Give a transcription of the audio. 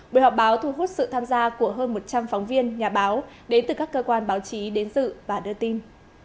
buổi họp báo thu hút sự tham gia của hơn một trăm linh phóng viên nhà báo đến từ các cơ quan báo chí đến dự và đưa tin